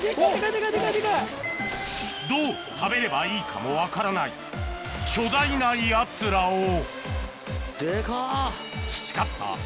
どう食べればいいかも分からない巨大なやつらをデカっ！